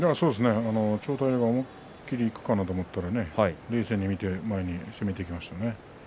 千代大龍思い切りいくかなと思ったけど冷静になって前にいきましたね。